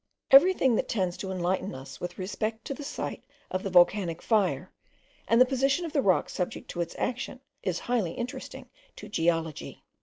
Every thing that tends to enlighten us with respect to the site of the volcanic fire, and the position of rocks subject to its action, is highly interesting to geology.